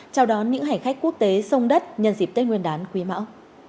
chào đón những hải khách quốc tế sông đất nhân dịp tết nguyên đán quý mạo